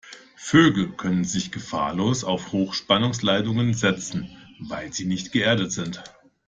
Vögel können sich gefahrlos auf Hochspannungsleitungen setzen, weil sie nicht geerdet sind.